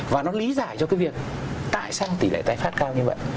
và nó lý giải cho cái việc tại sao tỷ lệ tái phát cao như vậy